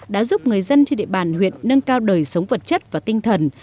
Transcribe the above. đã giúp người dân trên địa bàn huyện nâng cao đời sống vật chất và tinh thần